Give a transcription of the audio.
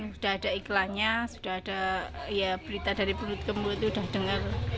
sudah ada iklannya sudah ada berita dari mulut ke mulut sudah dengar